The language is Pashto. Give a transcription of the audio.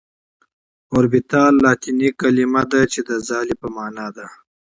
اوربيتال لاتيني کليمه ده چي د ځالي په معنا ده .